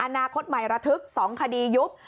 อนาคตใหม่ระทึก๒คดียุบ